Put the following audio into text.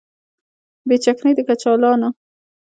بې چکنۍ د کچالانو